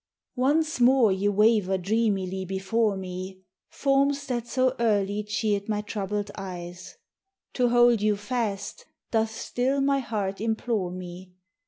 Once more ye waver dreamily before me, Forms that so early cheered my troubled eyes! To hold you fast doth still my heart implore me?